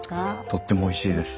とってもおいしいです。